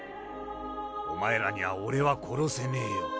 「お前らには俺は殺せねえよ」